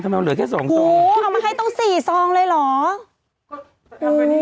เราเหลือแค่สองซองเอามาให้ต้องสี่ซองเลยเหรอ